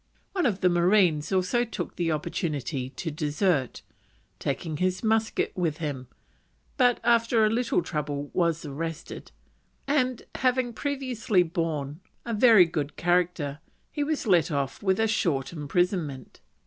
One of the marines also took the opportunity to desert, taking his musket with him, but after a little trouble was arrested; and having previously borne a very good character, he was let off with a short imprisonment.